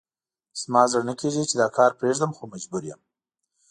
زما زړه نه کېږي چې دا کار پرېږدم، خو مجبور یم.